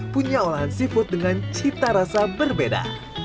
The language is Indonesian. punya olahan seafood dengan cita rasa berbeda